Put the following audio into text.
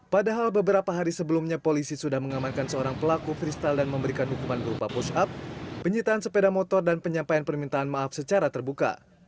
padahal beberapa hari sebelumnya polisi sudah mengamankan seorang pelaku freestyle dan memberikan hukuman berupa push up penyitaan sepeda motor dan penyampaian permintaan maaf secara terbuka